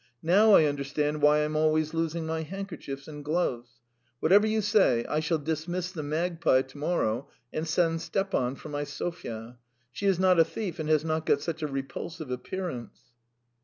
"Now I understand why I am always losing my handkerchiefs and gloves. Whatever you say, I shall dismiss the magpie to morrow and send Stepan for my Sofya. She is not a thief and has not got such a ... repulsive appearance."